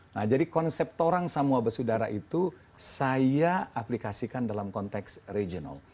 nah jadi konsep torang sama wabah saudara itu saya aplikasikan dalam konteks regional